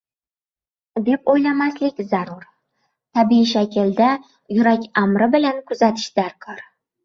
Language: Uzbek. deb oʻylamaslik zarur. Tabiiy shaklda, “yurak amri bilan” kuzatish darkor.